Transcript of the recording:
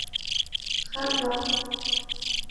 khát vọng